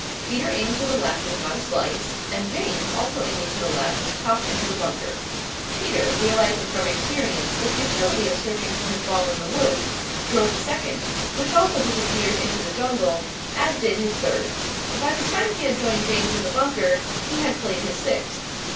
Peter aimed to the left and got a slice, and James, also aiming to the left, topped into the bunker. Peter, realizing from experience the futility of searching for his ball in the woods, drove a second, which also disappeared into the jungle, as did his third. By the time he had joined James in the bunker he had played his sixth.